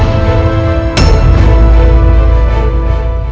kau pasti penyusup